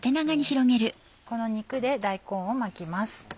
この肉で大根を巻きます。